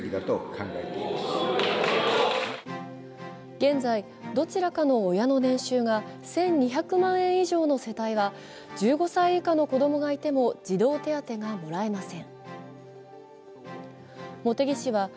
現在、どちらかの親の年収が１２００万円以上の世帯は１５歳以下の子供がいても児童手当がもらえません。